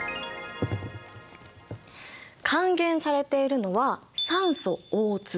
還元されているのは酸素Ｏ。